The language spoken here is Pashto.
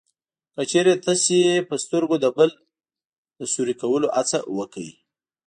که چېرې تاسې په سترګو د بل د سوري کولو هڅه وکړئ